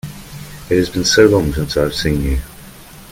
It has been so long since I have seen you!